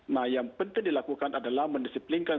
nah yang penting dilakukan adalah mendisiplinkan